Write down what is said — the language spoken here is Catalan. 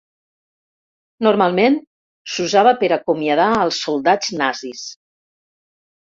Normalment s'usava per acomiadar als soldats nazis.